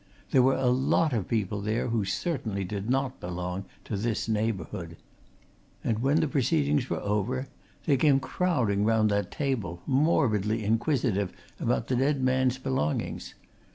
There were a lot of people there who certainly did not belong to this neighbourhood. And when the proceedings were over, they came crowding round that table, morbidly inquisitive about the dead man's belongings.